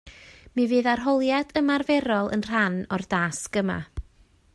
Mi fydd arholiad ymarferol yn rhan o'r dasg yma